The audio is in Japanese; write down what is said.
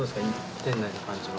店内の感じは。